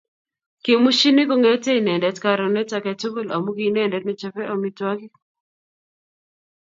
kimushini kongetei inendet karonet aketugul amu kiinendet nechopei amitwagik